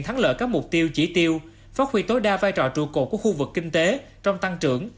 thắng lợi các mục tiêu chỉ tiêu phát huy tối đa vai trò trụ cột của khu vực kinh tế trong tăng trưởng